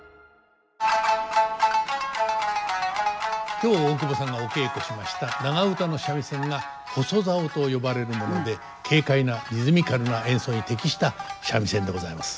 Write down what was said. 今日大久保さんがお稽古しました長唄の三味線が細棹と呼ばれるもので軽快なリズミカルな演奏に適した三味線でございます。